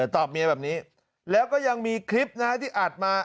ตอบเมียแบบนี้แล้วก็ยังมีคลิปนะฮะที่อัดมา